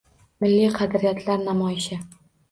Milliy qadriyatlar namoyishi